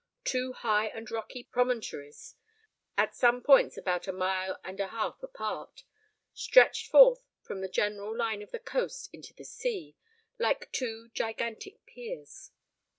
Two high and rocky promontories, at some points about a mile and a half apart, stretched forth from the general line of the coast into the sea, like two gigantic piers.